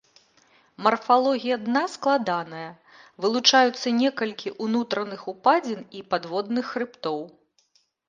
Марфалогія дна складаная, вылучаюцца некалькі ўнутраных упадзін і падводных хрыбтоў.